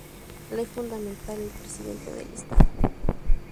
Ley Fundamental: El Presidente del Estado